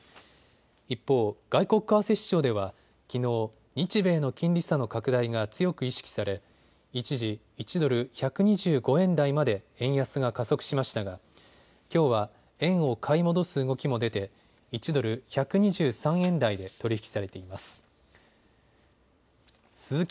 一方、外国為替市場ではきのう日米の金利差の拡大が強く意識され一時、１ドル１２５円台まで円安が加速しましたがきょうは円を買い戻す動きも出て１ドル１２３円台で取り引きされています。